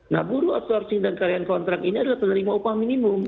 nah buruh outsourcing dan karyawan kontrak ini adalah penerima upah minimum